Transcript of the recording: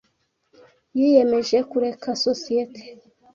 Yiyemeje kureka sosiyete.